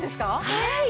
はい。